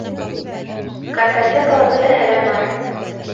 Картотекала бөтәһе лә бар.